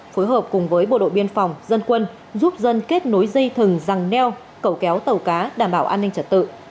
phối hợp cùng với bộ đội biên phòng dân quân giúp dân kết nối dây thừng răng neo cẩu kéo tàu cá đảm bảo an ninh trật tự